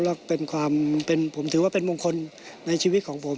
แล้วเป็นความผมถือว่าเป็นมงคลในชีวิตของผม